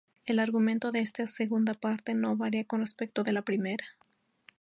El argumento de esta segunda parte no varía con respecto de la primera.